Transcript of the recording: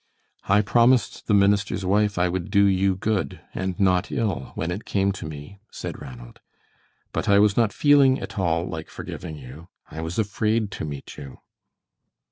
"I promised the minister's wife I would do you good and not ill, when it came to me," said Ranald. "But I was not feeling at all like forgiving you. I was afraid to meet you."